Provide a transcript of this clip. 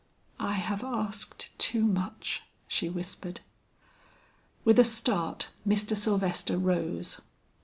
"I have asked too much," she whispered. With a start Mr. Sylvester rose.